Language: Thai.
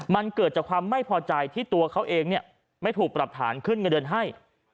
มันเกิดจากความไม่พอใจที่ตัวเขาเองไม่ถูกปรับฐานขึ้นเงินเดือนให้